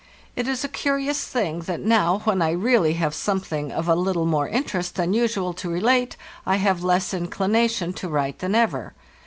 It is acurious thing that now, when I really have something of a little more interest than usual to relate, I have less inclination to write than ever.